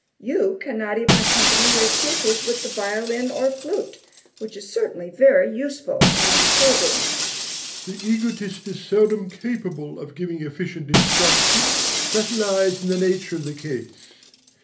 You cannot even accompany your pupils with the violin or flute, which is certainly very useful and improving. DOMINIE. The egotist is seldom capable of giving efficient instruction: that lies in the nature of the case.